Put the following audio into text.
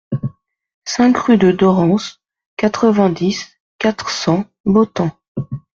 cinq rue de Dorans, quatre-vingt-dix, quatre cents, Botans